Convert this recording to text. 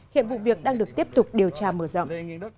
hiện vụ việc đang được tiếp tục điều tra mở rộng